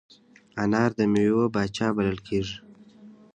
انار د میوو پاچا بلل کېږي.